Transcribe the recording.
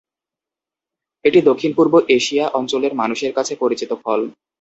এটি দক্ষিণ পূর্ব এশিয়া অঞ্চলের মানুষের কাছে পরিচিত ফল।